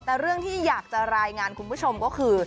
แต่เรื่องที่อยากจะรายงานคุณผู้ชมก็คือ